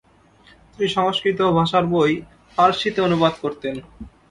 তিনি সংষ্কৃত ও ভাষার বই ফার্সিতে অনুবাদ করতেন।